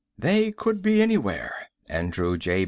"They could be anywhere," Andrew J.